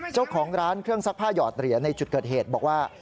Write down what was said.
เจ้าของร้านเครื่องซักผ้าหยอดเหรียญในจุดเกิดเหตุบอกว่า